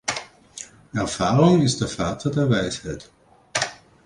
Erfahrung ist der Vater der Weisheit.